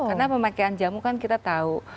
karena pemakaian jamu kan kita tau